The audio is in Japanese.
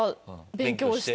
勉強して。